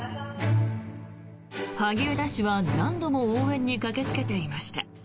萩生田氏は何度も応援に駆けつけていました。